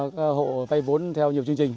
và các hộ vay vốn theo nhiều chương trình